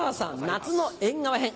夏の縁側編」。